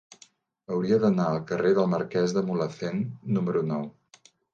Hauria d'anar al carrer del Marquès de Mulhacén número nou.